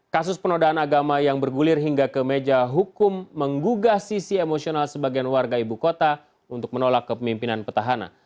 kasus penodaan agama yang bergulir hingga ke meja hukum menggugah sisi emosional sebagian warga ibu kota untuk menolak kepemimpinan petahana